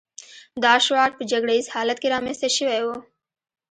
دا شعار په جګړه ییز حالت کې رامنځته شوی و